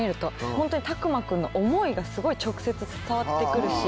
ホントに拓万君の思いがすごい直接伝わって来るし。